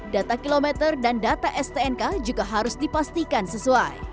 data kilometer dan data stnk juga harus dipastikan sesuai